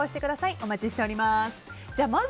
お待ちしております。